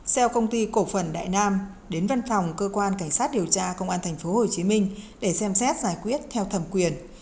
xe công ty cổ phần đại nam đến văn phòng cơ quan cảnh sát điều tra công an tp hcm để xem xét giải quyết theo thẩm quyền